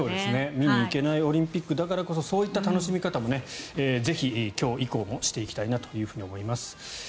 見に行けないオリンピックだからこそそういった楽しみ方もぜひ今日以降もしていきたいなと思います。